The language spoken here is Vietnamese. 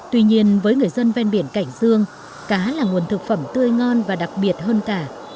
tuy nhiên với người dân ven biển cảnh dương cá là nguồn thực phẩm tươi ngon và đặc biệt hơn cả